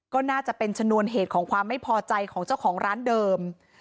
ก็น่าจะเป็นชนวนเหตุของความไม่พอใจของเจ้าของร้านเดิม